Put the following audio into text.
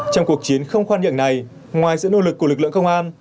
trong cuộc chiến không khoan nhượng này ngoài sự nỗ lực của lực lượng công an